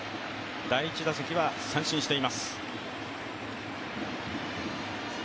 第１打席は三振しています。